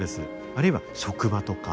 あるいは職場とか。